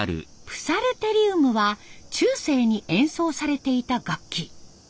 プサルテリウムは中世に演奏されていた楽器。